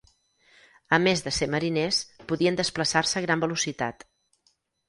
A més de ser mariners podien desplaçar-se a gran velocitat.